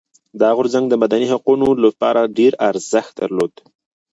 دا غورځنګ د مدني حقونو لپاره ډېر ارزښت درلود.